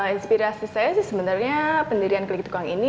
inspirasi saya sih sebenarnya pendirian klik tukang ini